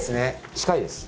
近いです。